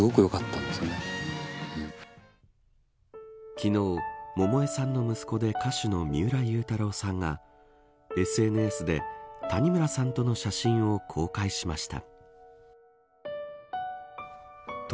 昨日、百恵さんの息子で歌手の三浦祐太朗さんがＳＮＳで、谷村さんとの写真を公開しました。